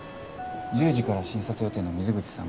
１０時から診察予定の水口さん